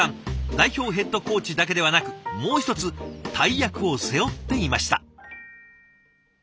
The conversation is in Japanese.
代表ヘッドコーチだけではなくもう一つ大役を背負っていました。